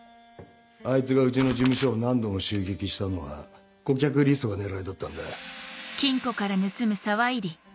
あいつがうちの事務所を何度も襲撃したのは顧客リストが狙いだったんだ。